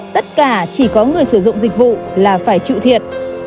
tất cả chỉ có người sử dụng dịch vụ là phải chịu thiệt